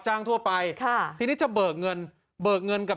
ทั่วไปค่ะทีนี้จะเบิกเงินเบิกเงินกับ